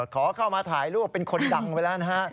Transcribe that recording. ขอเข้ามาถ่ายรูปเป็นคนดังไปแล้วนะฮะ